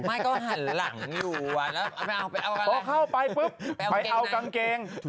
ไม่ก็หันหลังอยู่อ่ะแล้วเอาไปเอากันอะไรพอเข้าไปปุ๊บไปเอากางเกง